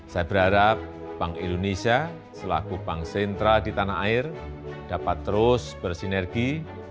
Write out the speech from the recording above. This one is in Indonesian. saya berharap bank indonesia selaku bank sentral di tanah air dapat terus bersinergi